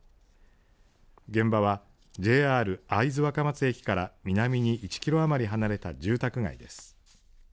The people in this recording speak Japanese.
現場はＪＲ会津若松駅から南に１キロ余り離れた住宅街です。